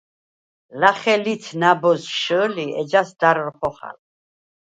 ლახე ლიც ნა̈ბოზს შჷლი, ეჯასი და̈რ ხოხალ.